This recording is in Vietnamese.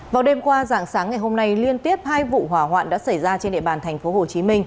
vào đêm qua dạng sáng ngày hôm nay liên tiếp hai vụ hỏa hoạn đã xảy ra trên địa bàn tp hcm